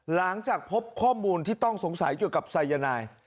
หลังจากพบข้อมูลที่ต้องสงสัยเกี่ยวกับไซยานาย